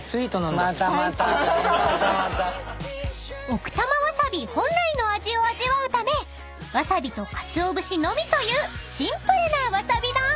［奥多摩わさび本来の味を味わうためわさびとかつお節のみというシンプルな］